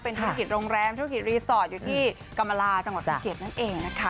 ธุรกิจโรงแรมธุรกิจรีสอร์ทอยู่ที่กรรมลาจังหวัดภูเก็ตนั่นเองนะคะ